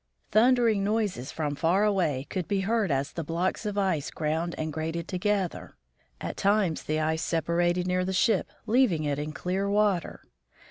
Thundering noises from far away could be heard as the blocks of ice ground and grated together. At times the ice separated near the ship, leaving it in clear water.